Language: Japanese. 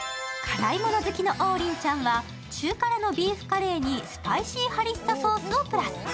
辛いもの好きの王林ちゃんは中辛のビーフカレーにスパイシーハリッサソースをプラス。